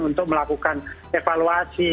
untuk melakukan evaluasi